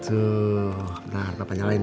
tuh nanti bapak nyalain ya